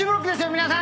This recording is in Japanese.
皆さんね。